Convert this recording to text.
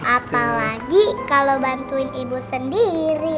apalagi kalau bantuin ibu sendiri